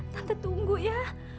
tante tunggu ya